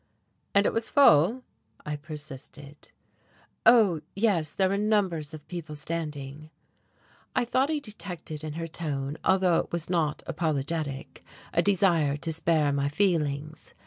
"And it was full?" I persisted. "Oh, yes, there were numbers of people standing." I thought I detected in her tone although it was not apologetic a desire to spare my feelings.